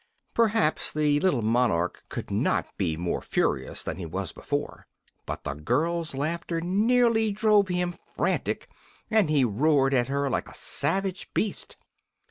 Perhaps the little monarch could not be more furious than he was before, but the girl's laughter nearly drove him frantic, and he roared at her like a savage beast.